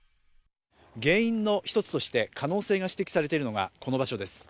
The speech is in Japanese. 原因の一つとして可能性が指摘されているのが、この場所です